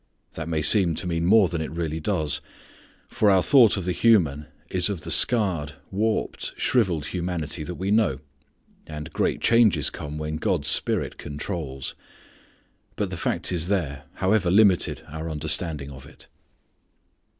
That may seem to mean more than it really does. For our thought of the human is of the scarred, warped, shrivelled humanity that we know, and great changes come when God's Spirit controls. But the fact is there, however limited our understanding of it.